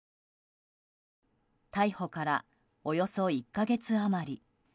逮捕からおよそ１か月余り。